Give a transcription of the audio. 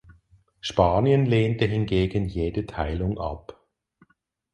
Spanien lehnte hingegen jede Teilung ab.